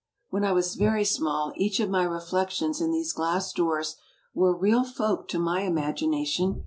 When I was very small each of my refleaions in these glass doors were "real folk" to my imagination.